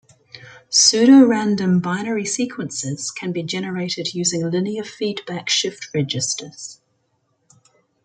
Pseudorandom binary sequences can be generated using linear feedback shift registers.